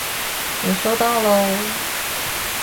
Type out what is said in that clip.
有收到了